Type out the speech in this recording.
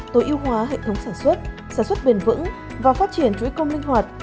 tối ưu hóa hệ thống sản xuất sản xuất bền vững và phát triển chuỗi công linh hoạt